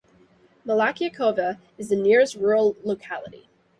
Melyakovka is the nearest rural locality.